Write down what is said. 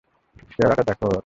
চেহারাটা দেখো ওর।